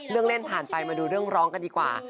เล่นผ่านไปมาดูเรื่องร้องกันดีกว่า